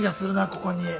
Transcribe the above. ここに。